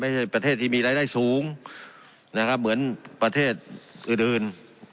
ไม่ใช่ประเทศที่มีรายได้สูงเหมือนประเทศอื่น